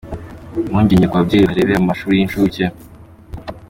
Impungenge ko babyeyi barerera mu mashuri y’inshuke